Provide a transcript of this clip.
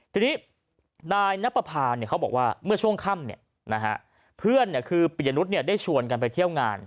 ทีนี้นายนับประพาเขาบอกว่าเมื่อช่วงค่ำเพื่อนคือปิยนุษย์ได้ชวนกันไปเที่ยวงาน